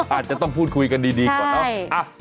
อาจจะต้องพูดคุยกันดีก่อนเนอะ